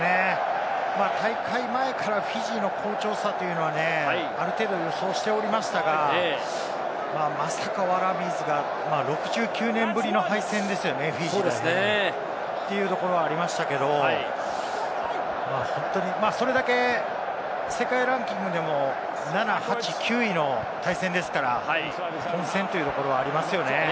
大会前からフィジーの好調さは、ある程度予想していましたが、まさかワラビーズが６９年ぶりの敗戦ですよね、フィジーに、というところはありましたけれども、本当にそれだけ世界ランキングでも７、８、９位の対戦ですから、混戦というところはありますよね。